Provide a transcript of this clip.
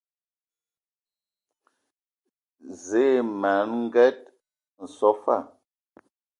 Zǝə ma n Nged nso fa.